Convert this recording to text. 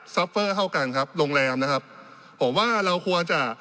เฟอร์เท่ากันครับโรงแรมนะครับผมว่าเราควรจะ